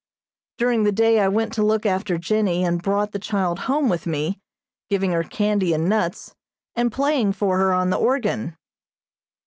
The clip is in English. During the day I went to look after Jennie and brought the child home with me, giving her candy and nuts, and playing for her on the organ.